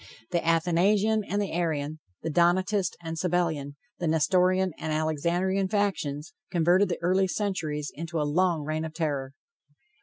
The Athanasian and the Arian, the Donatist and Sabellian, the Nestorian and Alexandrian factions converted the early centuries into a long reign of terror.